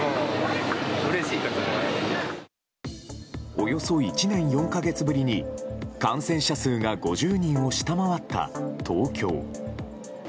およそ１年４か月ぶりに感染者数が５０人を下回った東京。